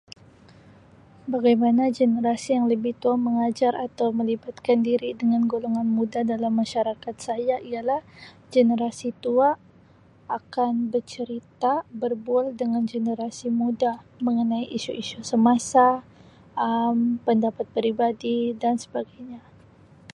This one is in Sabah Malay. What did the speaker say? Bagaimana generasi yang lebih tua mengajar atau melibatkan diri dengan golongan muda dalam masyarakat saya ialah generasi tua akan bercerita, berbual dengan generasi muda mengenai isu-isu semasa, Um pendapat-pendapat peribadi dan sebagainya.